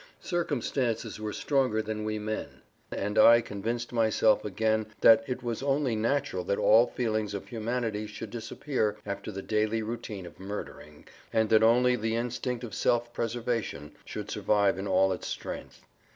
Circumstances were stronger than we men, and I convinced myself again that it was only natural that all feelings of humanity should disappear after the daily routine of murdering and that only the instinct of self preservation should survive in all its strength.